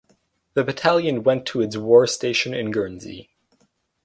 The battalion went to its war station on Guernsey.